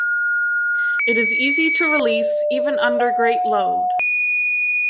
It is easy to release, even under great load.